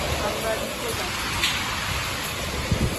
আমরা নিচে যাচ্ছি।